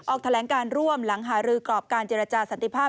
ออกแถลงการร่วมหลังหารือกรอบการเจรจาสันติภาพ